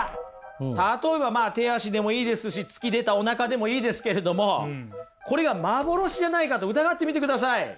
例えばまあ手足でもいいですし突き出たおなかでもいいですけれどもこれが幻じゃないかと疑ってみてください。